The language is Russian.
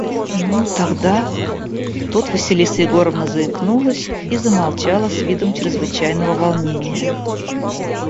– Ну, тогда… – Тут Василиса Егоровна заикнулась и замолчала с видом чрезвычайного волнения.